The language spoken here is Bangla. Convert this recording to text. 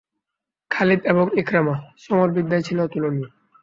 খালিদ এবং ইকরামা সমরবিদ্যায় ছিল অতুলনীয়।